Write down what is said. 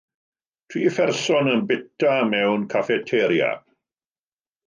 Tri pherson yn bwyta mewn caffeteria.